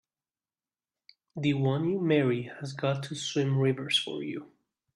The one you marry has got to swim rivers for you!